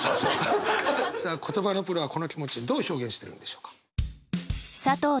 さあ言葉のプロはこの気持ちどう表現してるんでしょうか。